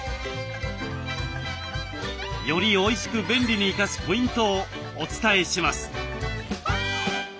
よりおいしく便利に生かすポイントをお伝えします。